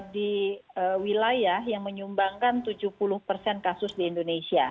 di wilayah yang menyumbangkan tujuh puluh persen kasus di indonesia